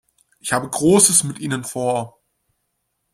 Ich habe Großes mit Ihnen vor.